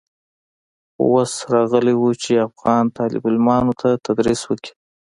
خو اوس راغلى و چې افغان طالب العلمانو ته تدريس وکړي.